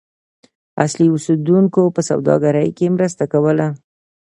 اصلي اوسیدونکو په سوداګرۍ کې مرسته کوله.